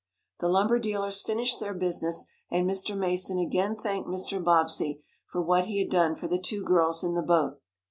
The lumber dealers finished their business and Mr. Mason again thanked Mr. Bobbsey for what he had done for the two girls in the boat.